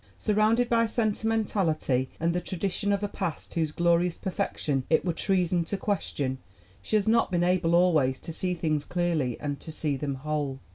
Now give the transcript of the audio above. Surrounded by sentimentality and the tradition of a past whose glorious perfection it were treason to question, she has not been able always to see things clearly and to see them whole.